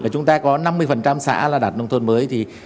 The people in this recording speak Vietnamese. chúng ta có năm mươi xã là đạt nông thôn mới